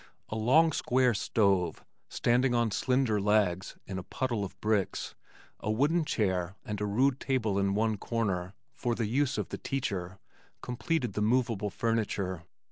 A long square stove (standing on slender legs in a puddle of bricks), a wooden chair, and a rude table in one corner, for the use of the teacher, completed the movable furniture.